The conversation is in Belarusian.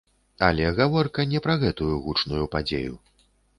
Але гаворка не пра гэтую гучную падзею.